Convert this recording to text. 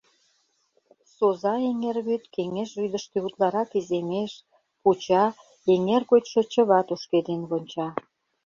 Соза эҥер вӱд кеҥеж рӱдыштӧ утларак иземеш, пуча, эҥер гочшо чыват ошкеден вонча.